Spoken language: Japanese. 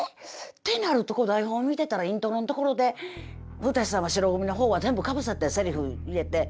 ってなるとこの台本見てたらイントロのところで古さんは白組の方は全部かぶせてセリフ入れて。